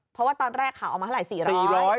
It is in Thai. เพราะว่าตอนแรกค่ะออกมาเท่าไร๔๐๐